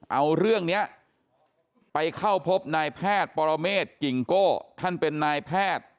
เอาเรื่องนี้ไปเข้าพบนายแพทย์ปรเมฆกิ่งโก้ท่านเป็นนายแพทย์